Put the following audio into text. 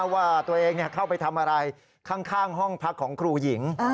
ว่าตัวเองเข้าไปทำอะไรข้างห้องพักของครูหญิง